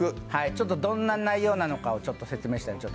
どんな内容なのか、説明します。